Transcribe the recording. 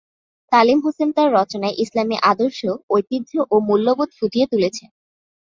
তালিম হোসেন তার রচনায় ইসলামি আদর্শ, ঐতিহ্য ও মূল্যবোধ ফুটিয়ে তুলেছেন।